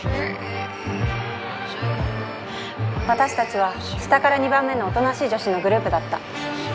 私たちは下から二番目の「大人しい女子」のグループだった。